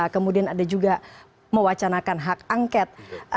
kemudian ada juga mewacanakan hak angket